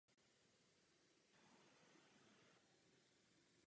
To jsou různé rozměry naší identity a našeho občanství.